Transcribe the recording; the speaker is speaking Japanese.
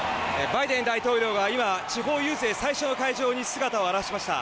バイデン大統領が今、地方遊説最初の会場に姿を現しました。